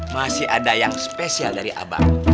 masih ada yang spesial dari abang